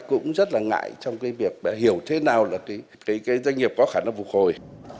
cũng rất là ngại trong việc hiểu thế nào là doanh nghiệp có khả năng phục hồi